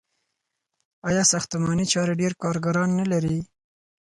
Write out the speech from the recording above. آیا ساختماني چارې ډیر کارګران نلري؟